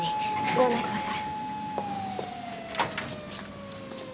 ご案内します。